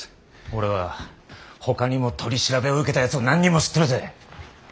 俺はほかにも取り調べを受けたやつを何人も知ってるぜ。